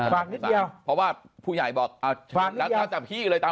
ฝากนิดเดียวเพราะว่าผู้ใหญ่บอกฝากนิดเดียวหลักฐานจากพี่เลยตาม